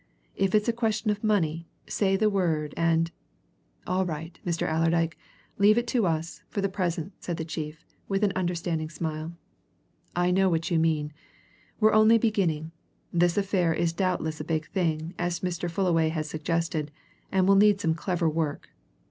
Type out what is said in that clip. If it's a question of money, say the word, and " "All right, Mr. Allerdyke, leave it to us for the present," said the chief, with an understanding smile. "I know what you mean. We're only beginning. This affair is doubtless a big thing, as Mr. Fullaway has suggested, and it will need some clever work.